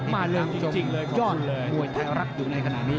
มาเรื่องจริงเลยขอบคุณเลย